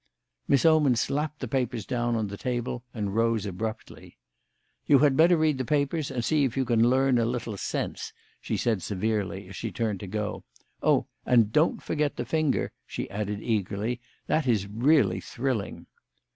Miss Oman slapped the papers down on the table and rose abruptly. "You had better read the papers and see if you can learn a little sense," she said severely as she turned to go. "Oh, and don't forget the finger!" she added eagerly. "That is really thrilling."